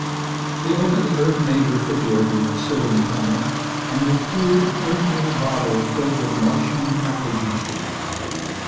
She opened the Earth made refrigerator that stood in the corner and withdrew an Earth made bottle filled with Martian apple juice.